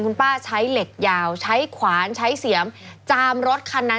คุณป้าใช้เหล็กยาวใช้ขวานใช้เสียมจามรถคันนั้น